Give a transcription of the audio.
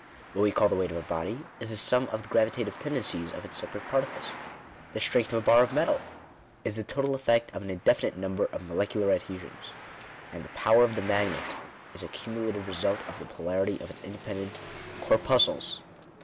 What we call the weight of a body, is the sum of the gravitative tendencies of its separate particles. The strength of a bar of metal, is the total effect of an indefinite number of molecular adhesions. And the power of the magnet, is a cumulative result of the polarity of its independent corpuscles.